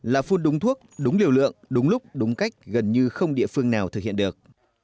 là phun đúng thuốc đúng liều lượng đúng lúc đúng cách gần như không địa phương nào thực hiện được